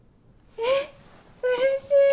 えっうれしい！